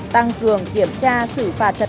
tăng cường kiểm tra sự phát triển